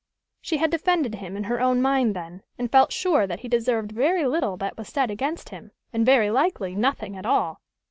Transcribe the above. She had defended him in her own mind then, and felt sure that he deserved very little that was said against him, and very likely nothing at all.